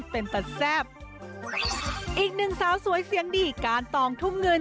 เป็นตัดแซ่บอีกหนึ่งสาวสวยเสียงดีการตองทุ่มเงิน